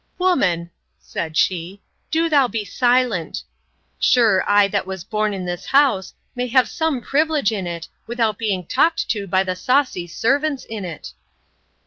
Woman, said she, do thou be silent! Sure, I that was born in this house, may have some privilege in it, without being talked to by the saucy servants in it!